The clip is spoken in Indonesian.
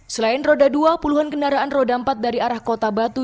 selain roda dua puluhan kendaraan roda empat dari arah kota batu